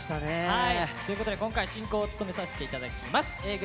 はいということで今回進行を務めさせて頂きますＡぇ！